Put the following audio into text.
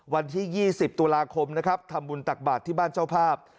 วันที่๒๐ตุลาคมนะครับทำบุญตักบาทที่บ้านเจ้าภาพ